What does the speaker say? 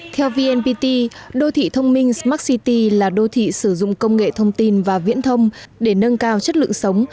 theo vnpt đô thị thông minh smart city là đô thị sử dụng công nghệ thông tin và viễn thông để nâng cao chất lượng sống